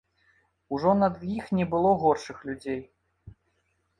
Ужо над іх не было горшых людзей.